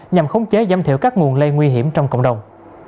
nhằm khống chế giảm thiểu các nguồn lây nguy hiểm trong cộng đồng